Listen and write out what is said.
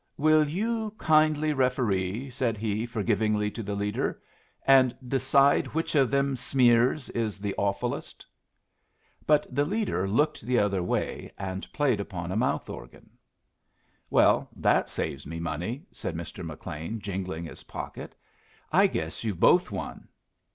"Will you kindly referee," said he, forgivingly, to the leader, "and decide which of them smears is the awfulest?" But the leader looked the other way and played upon a mouth organ. "Well, that saves me money," said Mr. McLean, jingling his pocket. "I guess you've both won."